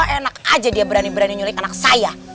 enak aja dia berani berani nyulik anak saya